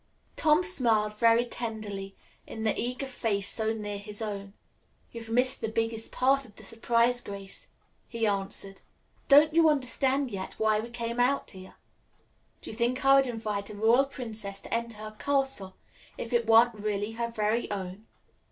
Tom smiled very tenderly into the eager face so near his own. "You've missed the biggest part of the surprise, Grace," he answered. "Don't you understand yet why we came out here? Do you think I would invite a royal princess to enter her castle if it weren't really her very own?"